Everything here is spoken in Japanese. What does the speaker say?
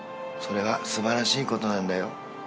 それは素晴らしいことなんだよ。